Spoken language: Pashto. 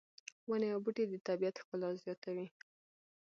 ونې او بوټي د طبیعت ښکلا زیاتوي